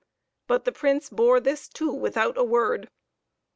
But the Prince bore this too without a word.